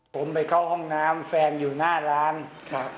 ผมไปเข้าห้องน้ำแฟนอยู่หน้าร้านครับ